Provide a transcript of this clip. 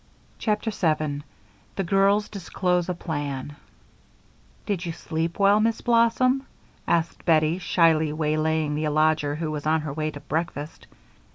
CHAPTER 7 The Girls Disclose a Plan "Did you sleep well, Miss Blossom?" asked Bettie, shyly waylaying the lodger who was on her way to breakfast.